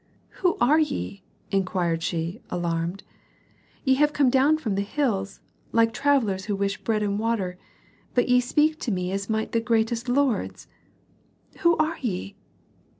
"Who are ye?" inquired she, alarmed. "Ye have come down from the hills, like travellers who wish bread and water, but ye speak to me as might the greatest lords. Who are ye?